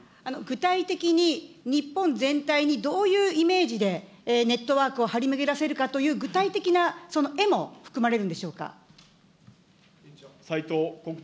具体的に日本全体にどういうイメージでネットワークを張り巡らせるかという具体的なその絵も含まれるんでしょうか。